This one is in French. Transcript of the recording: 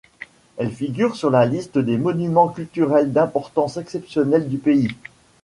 Elle figure sur la liste des monuments culturels d'importance exceptionnelle du pays.